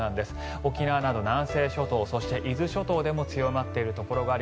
沖縄など南西諸島そして伊豆諸島でも強まっているところがあり